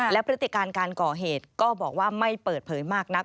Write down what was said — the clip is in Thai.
และพฤติการการก่อเหตุก็บอกว่าไม่เปิดเผยมากนัก